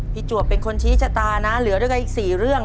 จวบเป็นคนชี้ชะตานะเหลือด้วยกันอีก๔เรื่อง